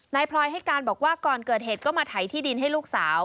พลอยให้การบอกว่าก่อนเกิดเหตุก็มาไถที่ดินให้ลูกสาว